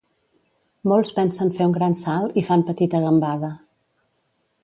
Molts pensen fer un gran salt i fan petita gambada.